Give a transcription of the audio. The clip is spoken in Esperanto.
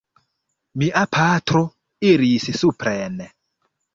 Mia patro iris supren.